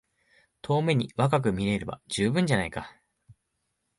遠目に若く見えれば充分じゃないか。